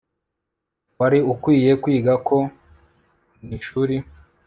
wari ukwiye kwiga ko mwishuri